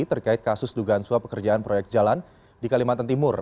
terkait kasus dugaan suap pekerjaan proyek jalan di kalimantan timur